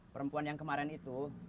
perempuan yang kemarin itu